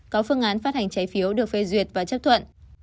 có phương án phát hành trái phiếu được phê duyệt và chấp thuận